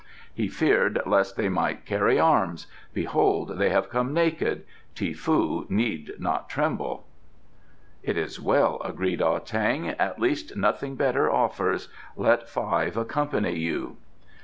He feared lest they might carry arms; behold they have come naked. Ti foo need not tremble." "It is well," agreed Ah tang. "At least, nothing better offers. Let five accompany you."